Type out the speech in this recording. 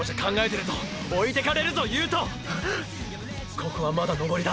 ここはまだ登りだ！